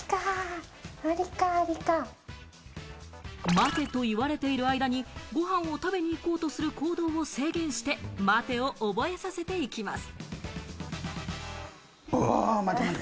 待てと言われている間にご飯を食べに行こうとする行動を制限して、待てを覚えさせていきます。